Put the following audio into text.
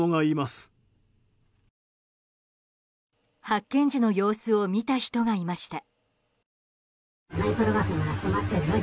発見時の様子を見た人がいました。